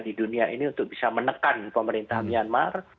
di dunia ini untuk bisa menekan pemerintah myanmar